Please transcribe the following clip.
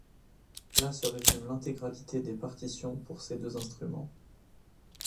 Là se résume l'intégralité des partitions pour ces deux instruments.